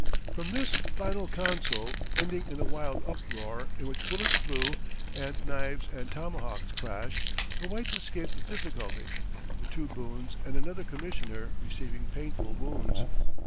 From this final council, ending in a wild uproar, in which bullets flew and knives and tomahawks clashed, the whites escaped with difficulty, the two Boones and another commissioner receiving painful wounds.